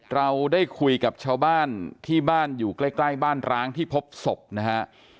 เราได้คุยกับชาวบ้านที่บ้านอยู่ใกล้บ้านร้างที่พบศพนะฮะ